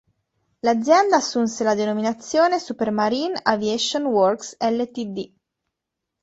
L'azienda assunse la denominazione Supermarine Aviation Works Ltd.